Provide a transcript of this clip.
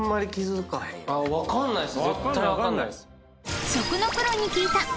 絶対分かんないです。